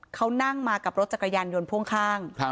เขานั่งมากับรถจักรยานยนต์พ่วงข้าง